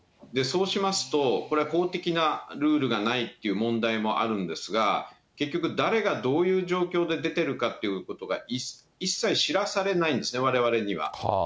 そうしますと、これは公的なルールがないという問題もあるんですが、結局、誰がどういう状況で出てるかということが一切知らされないんですね、われわれには。